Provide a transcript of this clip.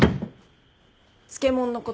漬物のことだよ。